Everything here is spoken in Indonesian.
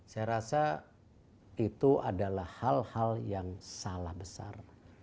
saya rasa itu adalah hal hal yang salah besar